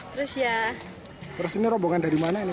terus ini rombongan dari mana